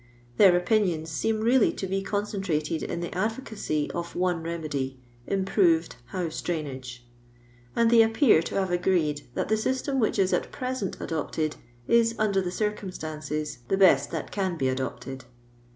Their opinions seem really to be concentrated in tlie advocacy of nne remedy improved house drainage ; and they appear to have agreed that the system which is at present adopted is, under the circumstances, the best that can be adopted.